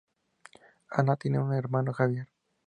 Ana tiene un hermano, Javier.